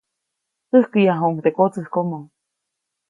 Täjkäyajuʼuŋ teʼ kotsäjkomo.